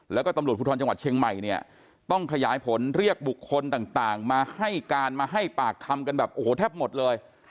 แล้วก็ตำรวจภูทรจังหวัดเชียงใหม่เนี่ยต้องขยายผลเรียกบุคคลต่างมาให้การมาให้ปากคำกันแบบโอ้โหแทบหมดเลย